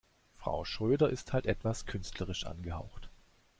Frau Schröder ist halt etwas künstlerisch angehaucht.